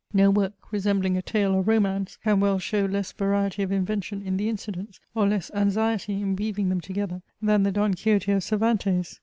No work, resembling a tale or romance, can well show less variety of invention in the incidents, or less anxiety in weaving them together, than the DON QUIXOTE of Cervantes.